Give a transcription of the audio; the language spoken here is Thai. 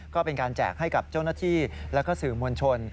ก็เป็นการแจกให้กับเจ้าหน้าที่และก็สื่อมวลชน